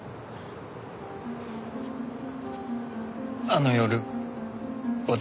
あの夜私